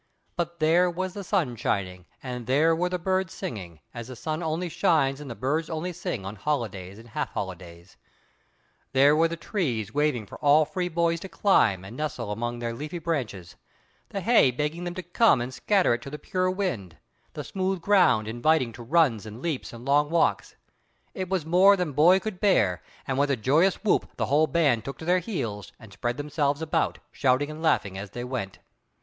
But there was the sun shining, and there were the birds singing, as the sun only shines and the birds only sing on holidays and half holidays; there were the trees waving for all free boys to climb and nestle among their leafy branches; the hay begging them to come and scatter it to the pure air; the smooth ground, inviting to runs and leaps and long walks. It was more than boy could bear, and with a joyous whoop the whole band took to their heels and spread themselves about, shouting and laughing as they went.